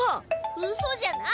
うそじゃない！